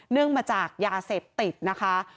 เนื่องมาจากยาเสพติดนะคะ